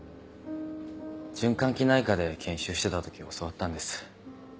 循環器内科で研修してた時教わったんです。